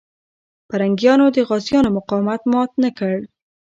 پرنګیانو د غازيانو مقاومت مات نه کړ.